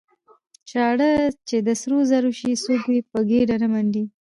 ـ چاړه چې د سرو زرو شي څوک يې په ګېډه نه منډي.